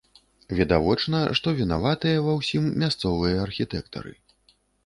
Відавочна, што вінаватыя ва ўсім мясцовыя архітэктары.